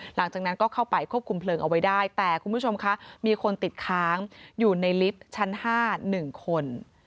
หลังจากนั้นก็เข้าไปควบคุมเพลิงเอาไว้ได้แต่คุณผู้ชมคะมีคนติดค้างอยู่ในลิฟต์ชั้น๕๑คน